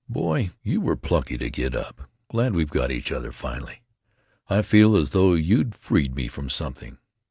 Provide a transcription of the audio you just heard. Boy, you were plucky to get up.... Glad we've got each other, finally. I feel as though you'd freed me from something.